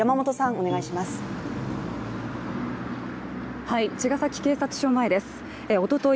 おととい